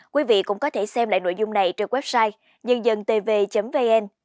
quý vị cũng có thể xem lại nội dung này trên website nhân dân tv vn